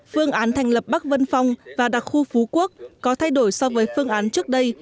phương án thành lập bắc vân phong và đặc khu phú quốc có thay đổi so với phương án trước đây